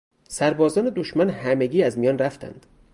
سربازان دشمن همگی از میان رفتند.